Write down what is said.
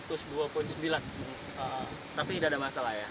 tapi tidak ada masalah ya